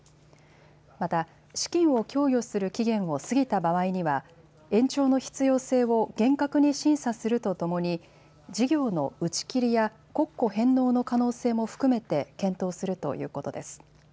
また、資金を供与する期限を過ぎた場合には、延長の必要性を厳格に審査するとともに、事業の打ち切りや国庫返納の可能性も含めて検討するということです。